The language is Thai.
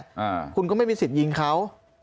ทำไมก็ไม่มีสิทธิ์ยิงเขา